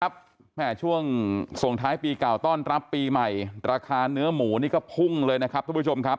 แม่ช่วงส่งท้ายปีเก่าต้อนรับปีใหม่ราคาเนื้อหมูนี่ก็พุ่งเลยนะครับทุกผู้ชมครับ